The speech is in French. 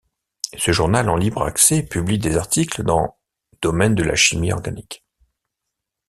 Ce journal en libre accès publie des articles dans domaine de la chimie organique.